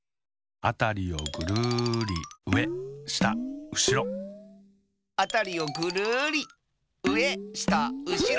「あたりをぐるりうえしたうしろ」「あたりをぐるりうえしたうしろ」